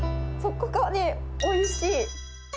そこがね、おいしい。